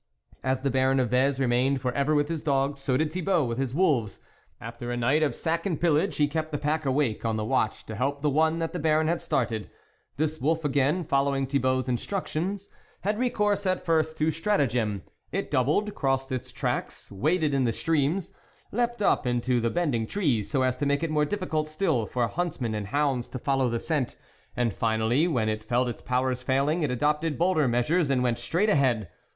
As the Baron of Vez remained for ever with his dogs, so did Thibault with his wolves ; after a night of sack and pillage, he kept the pack awake on the watch to help the one that the Baron had started. This wolf again, following Thibault's in structions, had recourse at first to strata gem. It doubled, crossed its tracks, waded in the streams, leaped up into the bending trees so as to make it more diffi cult still for huntsmen and hounds to fol low the scent, and finally when it felt its powers failing, it adopted bolder measures and went straight ahead.